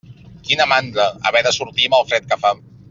Quina mandra, haver de sortir amb el fred que fa.